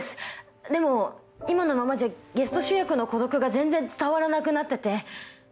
でも今のままじゃゲスト主役の孤独が全然伝わらなくなってて。